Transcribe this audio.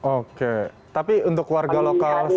oke tapi untuk warga lokal